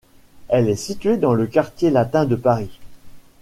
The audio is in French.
Elle est située dans le Quartier Latin de Paris.